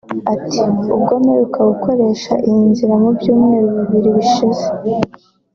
Ati “Ubwo mperuka gukoresha iyi nzira mu byumweru bibiri bishize